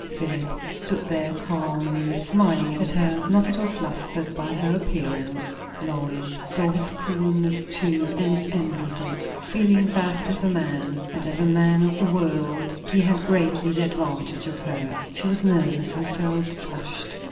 Philip stood there, calmly smiling at her, not at all flustered by her appearance. Lois saw his coolness too, and envied it; feeling that as a man, and as a man of the world, he had greatly the advantage of her. She was nervous, and felt flushed.